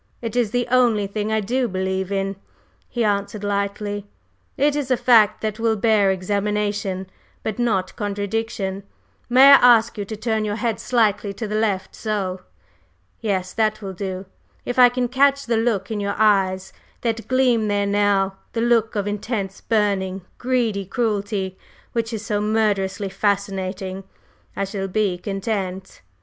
"It is the only thing I do believe in," he answered lightly. "It is a fact that will bear examination, but not contradiction. May I ask you to turn your head slightly to the left so! Yes, that will do; if I can catch the look in your eyes that gleams there now, the look of intense, burning, greedy cruelty which is so murderously fascinating, I shall be content."